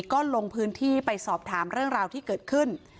ก็ลงพื้นที่ไปสอบถามเรื่องราวที่เกิดขึ้น